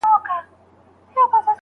ایا اوږده ډوډۍ به ماڼۍ ته یوړل سي؟